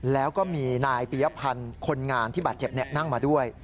แล้วก็มีนายปียพันธ์คนงานที่บาดเจ็บนั่งมาด้วย